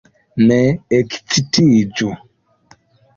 Ne ekcitiĝu!